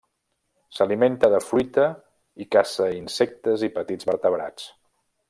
S'alimenta de fruita i caça insectes i petits vertebrats.